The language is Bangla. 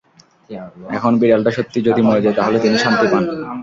এখন বিড়ালটা সত্যিই যদি মরে যায়, তাহলে তিনি শান্তি পান।